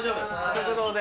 ・食堂で。